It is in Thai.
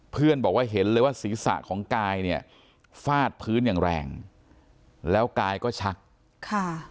เพื่อนบอกว่าเห็นเลยว่าศีรษะของกายเนี่ยฟาดพื้นอย่างแรงแล้วกายก็ชักค่ะ